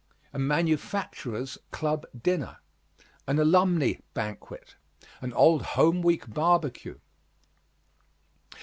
A manufacturers' club dinner. An alumni banquet. An old home week barbecue.